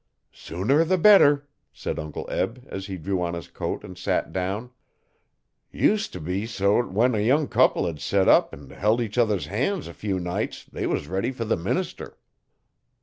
'Sooner the better,' said Uncle Eb as he drew on his coat and sat down. 'Used to be so t'when a young couple hed set up 'n held each other's han's a few nights they was ready fer the minister.